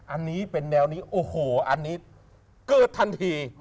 อันนี้เป็นแนวนี้โอ้โหอันนี้เกิดทันที